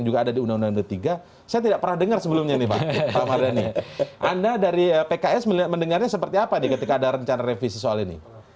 anda dari pks mendengarnya seperti apa nih ketika ada rencana revisi soal ini